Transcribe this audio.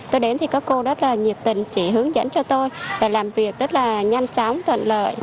tôi đến thì các cô rất là nhiệt tình chỉ hướng dẫn cho tôi và làm việc rất là nhanh chóng thuận lợi